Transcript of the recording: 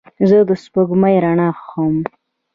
زه د سپوږمۍ رڼا خوښوم.